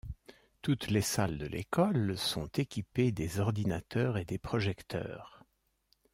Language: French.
Toutes les salles de l’École sont équipées des ordinateurs et des projecteurs.